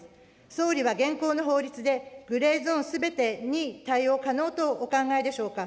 総理は現行の法律で、グレーゾーンすべてに対応可能とお考えでしょうか。